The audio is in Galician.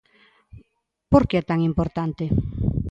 Por que é tan importante?